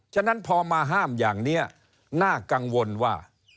ฉะนั้นพอมาห้ามอย่างนี้น่ากังวลว่า